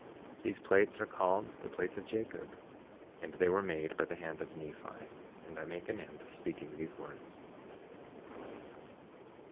3:14 These plates are called the plates of Jacob, and they were made by the hand of Nephi. And I make an end of speaking these words.